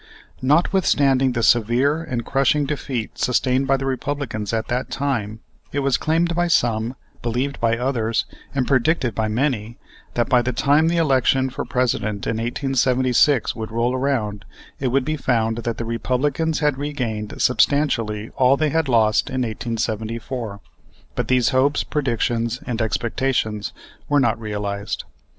Notwithstanding the severe and crushing defeat sustained by the Republicans at that time, it was claimed by some, believed by others, and predicted by many that by the time the election for President in 1876 would roll around it would be found that the Republicans had regained substantially all they had lost in 1874; but these hopes, predictions, and expectations were not realized.